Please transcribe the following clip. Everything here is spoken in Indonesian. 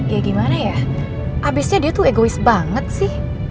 kayak gimana ya abisnya dia tuh egois banget sih